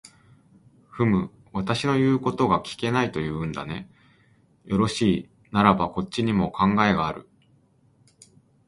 ふむ、私の言うことが聞けないと言うんだね。よろしい、ならばこっちにも考えがある。